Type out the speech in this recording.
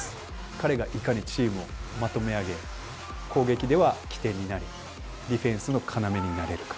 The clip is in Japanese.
彼がいかにチームをまとめ上げ攻撃では起点になりディフェンスの要になれるか。